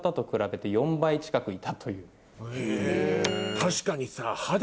確かにさ。